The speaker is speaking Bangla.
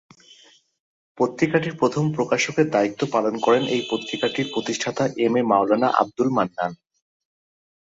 পত্রিকাটির প্রথম প্রকাশকের দায়িত্ব পালন করেন এই পত্রিকাটির প্রতিষ্ঠাতা এম এ মাওলানা আবদুল মান্নান।